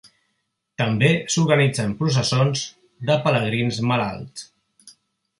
També s'organitzen processons de pelegrins malalts.